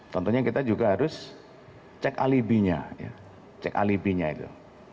tentunya kita juga harus cek alibinya cek alibinya itu